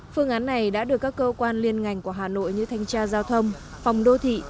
phương án này đã được các cơ quan liên ngành của hà nội như thanh tra giao thông phòng đô thị